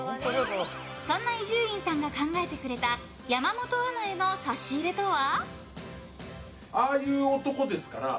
そんな伊集院さんが考えてくれた山本アナへの差し入れとは？